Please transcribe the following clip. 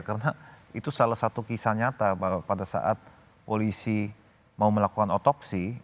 karena itu salah satu kisah nyata bahwa pada saat polisi mau melakukan otopsi